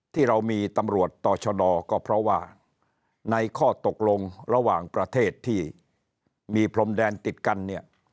ที่เรามีตำรวจต่อชะดอก็เพราะว่าในข้อตกลงระหว่างประเทศที่มีพรมแดนติดกันเนี่ย